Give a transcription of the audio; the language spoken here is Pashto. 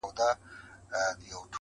خو ما یوه شېبه خپل زړه تش کړ -